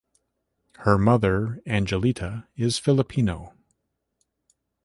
Her mother, Angelita, is Filipino.